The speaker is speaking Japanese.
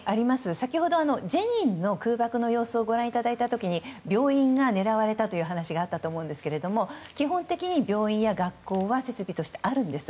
先ほどジェニンの空爆の様子をご覧いただいた時病院が狙われたという話がありましたが基本的に病院や学校は設備としてあるんです。